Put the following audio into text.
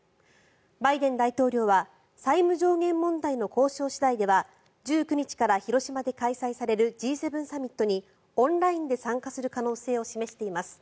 バイデン大統領は債務上限問題の交渉次第では１９日から広島で開催されるＧ７サミットにオンラインで参加する可能性を示しています。